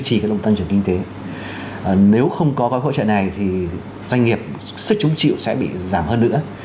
thì doanh nghiệp sức chứng chịu sẽ bị giảm hơn nữa